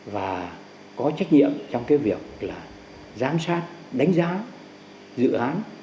và có trách nhiệm trong cái việc là giám sát đánh giá dự án